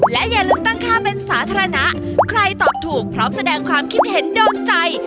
และอย่าลืมตั้งค่าเป็นสาธารณะใครตอบถูกพร้อมแสดงความคิดเห็นโดนใจ